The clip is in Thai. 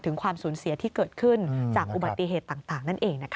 ความสูญเสียที่เกิดขึ้นจากอุบัติเหตุต่างนั่นเอง